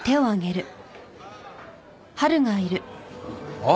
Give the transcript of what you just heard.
あっ。